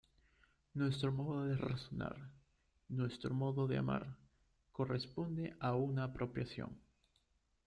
Nuestro modo de razonar, nuestro modo de amar corresponde a una apropiación.